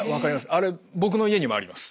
あれ僕の家にもあります。